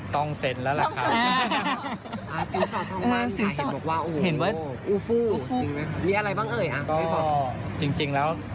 เป็นแล้วล่ะคะ